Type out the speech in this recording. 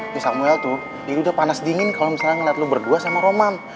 ya samuel tuh dia udah panas dingin kalo misalnya ngeliat lu berdua sama roman